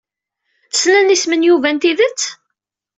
Ssnen isem n Yuba n tidet?